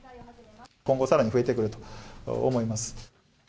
今後さらに増えてくると思います。